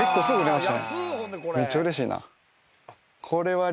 めっちゃうれしいな。